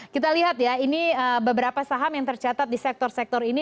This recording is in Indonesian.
kita lihat ya ini beberapa saham yang tercatat di sektor sektor ini